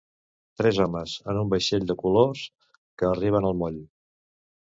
Tres homes en un vaixell de colors que arriben al moll.